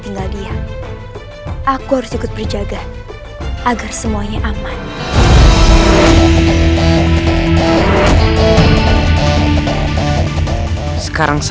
padahal kau sudah pulang